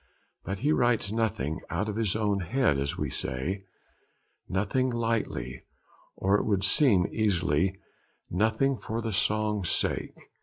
But he writes nothing 'out of his own head,' as we say; nothing lightly, or, it would seem, easily; nothing for the song's sake.